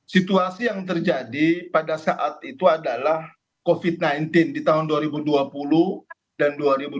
situasi yang terjadi pada saat itu adalah covid sembilan belas di tahun dua ribu dua puluh dan dua ribu dua puluh